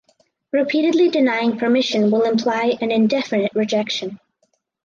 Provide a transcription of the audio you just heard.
Repeatedly denying permission will imply an indefinite rejection.